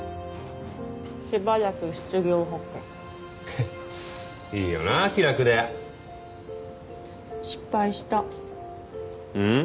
しばらく失業保険いいよな気楽で失敗したん？